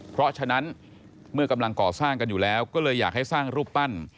เพราะฉะนั้นเมื่อกำลังก่อสร้างกันอยู่แล้วก็เลยอยากให้สร้างรูปปั้น